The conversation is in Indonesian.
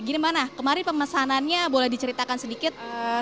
gimana kemarin pemesanannya boleh diceritakan sedikit